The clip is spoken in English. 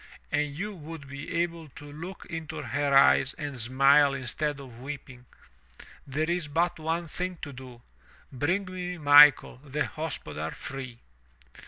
If you would be able to look into her eyes and smile instead of weeping, there is but one thing to do — bring me Michael, the hospodar, free!"